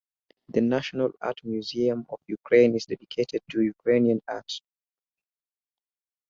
The National Art Museum of Ukraine is dedicated to Ukrainian art.